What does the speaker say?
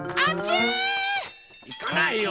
いかないよ！